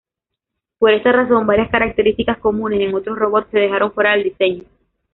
Por esta razón, varias características comunes en otros robots se dejaron fuera del diseño.